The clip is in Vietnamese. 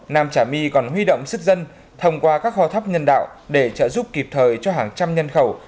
nam trà my còn huy động sức dân thông qua các kho thóc nhân đạo để trợ giúp kịp thời cho hàng trăm nhân khẩu